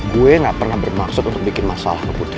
gue gak pernah bermaksud untuk bikin masalah ke putri